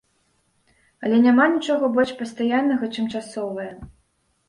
Але няма нічога больш пастаяннага, чым часовае.